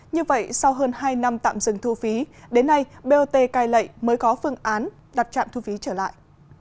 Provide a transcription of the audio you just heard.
như vậy sau hơn hai năm tạm dừng thu phí đến nay bot cai lệ mới có phương án đặt trạm thu phí trở lại